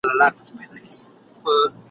دا زيږې زيږې خبري !.